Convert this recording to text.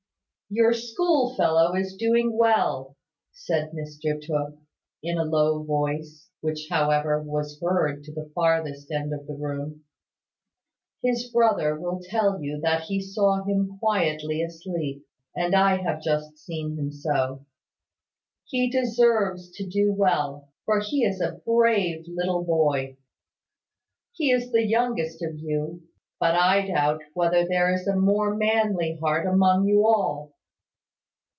"Your school fellow is doing well," said Mr Tooke, in a low voice, which, however, was heard to the farthest end of the room. "His brother will tell you that he saw him quietly asleep; and I have just seen him so. He deserves to do well; for he is a brave little boy. He is the youngest of you; but I doubt whether there is a more manly heart among you all."